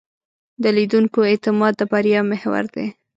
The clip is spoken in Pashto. د لیدونکو اعتماد د بریا محور دی.